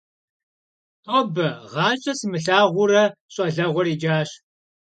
Тобэ, гъащӀэ сымылъагъуурэ щӀалэгъуэр икӀащ.